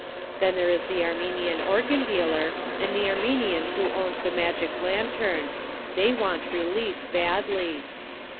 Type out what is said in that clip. Then there is the Armenian organ dealer, and the Armenian who owned the magic lantern. They want relief badly.